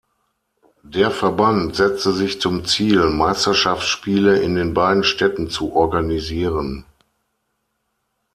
Der Verband setzte sich zum Ziel, Meisterschaftsspiele in den beiden Städten zu organisieren.